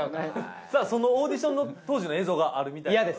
さあそのオーディションの当時の映像があるみたいなので。